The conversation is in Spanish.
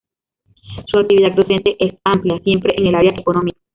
Su actividad docente es amplia, siempre en el área económica.